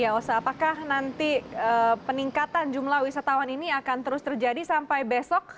ya osa apakah nanti peningkatan jumlah wisatawan ini akan terus terjadi sampai besok